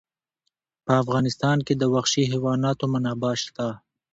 په افغانستان کې د وحشي حیواناتو منابع شته.